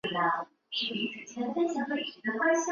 从河南省会郑州市到嵖岈山不过一百八十公里。